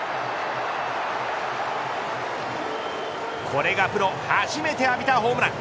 これがプロ初めて浴びたホームラン。